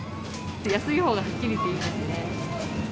安いほうがはっきり言っていいですね。